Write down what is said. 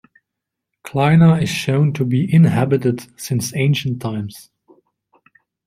Klina is shown to be inhabited since ancient times.